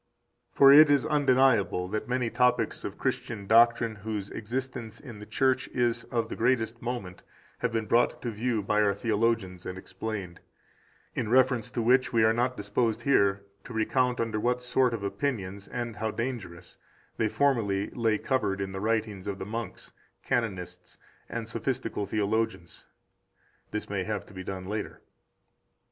17 For it is undeniable that many topics of Christian doctrine whose existence in the Church is of the greatest moment have been brought to view by our theologians and explained; in reference to which we are not disposed here to recount under what sort of opinions, and how dangerous, they formerly lay covered in the writings of the monks, canonists, and sophistical theologians. [This may have to be done later.